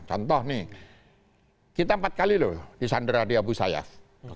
contoh nih kita empat kali loh di sandra di abu sayyaf